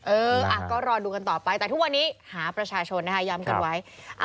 เออก็รอดูกันต่อไปแต่ทุกวันนี้หาประชาชนนะคะย้ำกันไว้